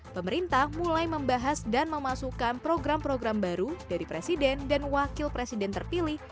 pemerintah mulai membahas dan memasukkan program program baru dari presiden dan wakil presiden terpilih